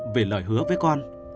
vì lời hứa với con